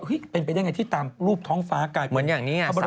เฮ้ยเป็นไปได้อย่างไรที่ตามรูปท้องฟ้ากลายเป็นพระบรมประชายรักษณ์